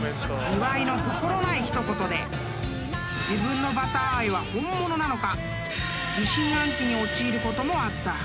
［岩井の心ない一言で自分のバター愛は本物なのか疑心暗鬼に陥ることもあった］